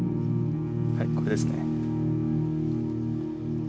はいこれですね。